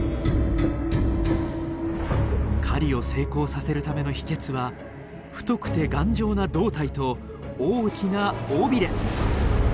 狩りを成功させるための秘けつは太くて頑丈な胴体と大きな尾ビレ。